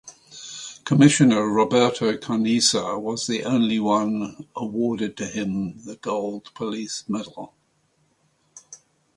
Commissioner Roberto Conesa, was the one who awarded him the gold police medal.